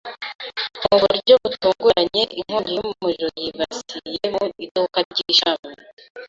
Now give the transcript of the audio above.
Mu buryo butunguranye, inkongi y'umuriro yibasiye mu iduka ry'ishami.